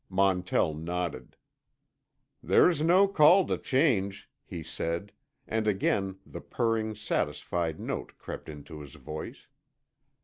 Montell nodded. "There's no call to change," he said, and again the purring, satisfied note crept into his voice.